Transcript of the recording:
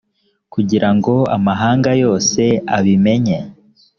kugira ngo amahanga yose abimenye